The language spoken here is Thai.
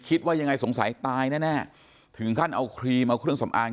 คิดว่ายังไงสงสัยตายแน่ถึงขั้นเอาครีมเอาเครื่องสำอาง